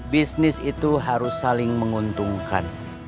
bisnis itu harus saling menguntungkan